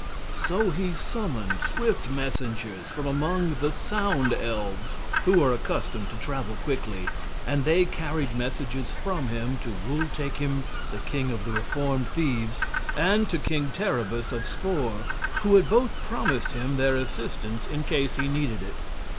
So he summoned swift messengers from among the Sound Elves, who are accustomed to travel quickly, and they carried messages from him to Wul Takim, the King of the Reformed Thieves, and to King Terribus of Spor, who had both promised him their assistance in case he needed it.